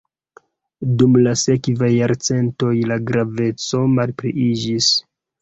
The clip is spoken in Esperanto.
Dum la sekvaj jarcentoj la graveco malpliiĝis.